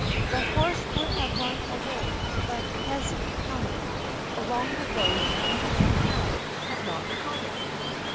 The horse would have run away if a peasant coming along the road leading a cow, had not caught it.